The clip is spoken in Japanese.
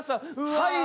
はい！